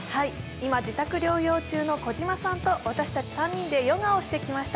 今自宅療養中の児嶋さんと私たち３人でヨガをしてきました。